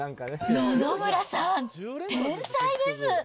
野々村さん、天才です。